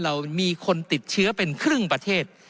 เรามีคนติดเชื้อเป็นครึ่งประเทศ